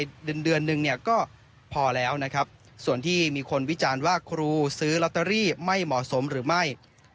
เดือนเดือนนึงเนี่ยก็พอแล้วนะครับส่วนที่มีคนวิจารณ์ว่าครูซื้อลอตเตอรี่ไม่เหมาะสมหรือไม่